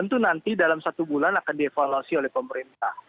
itu nanti dalam satu bulan akan dievaluasi oleh pemerintah